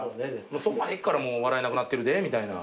そこまでいくからもう笑えなくなってるでみたいな。